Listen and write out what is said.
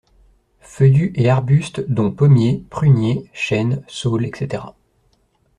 Feuillus et arbustes dont Pommier, Prunier, Chêne, Saule, etc.